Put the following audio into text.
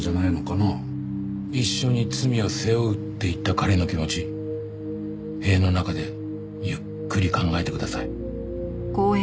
「一緒に罪を背負う」って言った彼の気持ち塀の中でゆっくり考えてください。